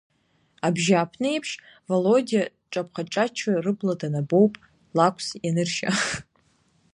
Абжьааԥны еиԥш, Володиа дҿаԥхаҿаччо рыбла данабоуп, лакәс ианыршьа…